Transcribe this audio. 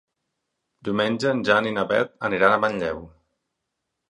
Diumenge en Jan i na Beth aniran a Manlleu.